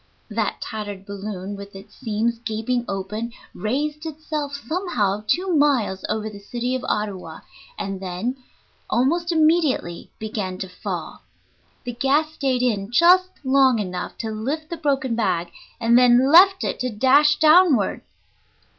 That tattered balloon, with its seams gaping open, raised itself somehow two miles over the city of Ottawa, and then almost immediately began to fall. The gas stayed in just long enough to lift the broken bag, and then left it to dash downward.